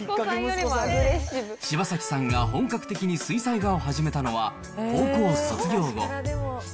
柴崎さんが本格的に水彩画を始めたのは、高校卒業後。